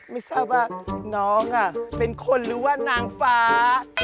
ไม่ทราบว่าน้องเป็นคนหรือว่านางฟ้า